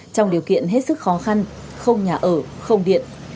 trong điều kiện hết sức khó khăn không nhà ở không điện